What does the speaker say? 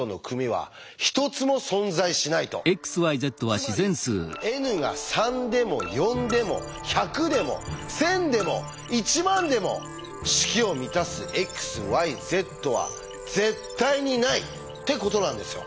つまりｎが３でも４でも１００でも１，０００でも１万でも式を満たすｘｙｚは絶対にないってことなんですよ。